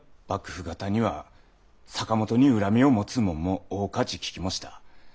幕府方には坂本に恨みを持つ者も多かち聞きもした。